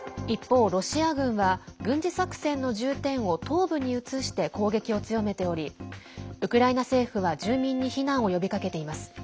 一方、ロシア軍は軍事作戦の重点を東部に移して攻撃を強めておりウクライナ政府は住民に避難を呼びかけています。